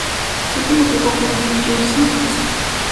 Su último equipo fue New Jersey Nets.